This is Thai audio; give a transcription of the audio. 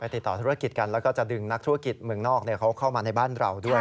ติดต่อธุรกิจกันแล้วก็จะดึงนักธุรกิจเมืองนอกเขาเข้ามาในบ้านเราด้วย